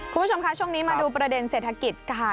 คุณผู้ชมคะช่วงนี้มาดูประเด็นเศรษฐกิจค่ะ